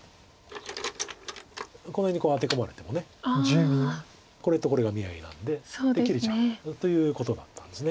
この辺にアテ込まれてもこれとこれが見合いなんで切れちゃうということだったんです。